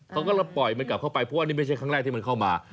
เขาก็เลยปล่อยมันกลับเข้าไปเพราะว่านี่ไม่ใช่ครั้งแรกที่มันเข้ามา